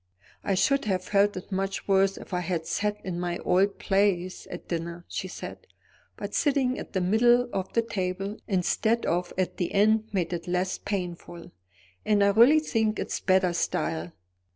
"I should have felt it much worse if I had sat in my old place at dinner," she said; "but sitting at the middle of the table instead of at the end made it less painful. And I really think it's better style.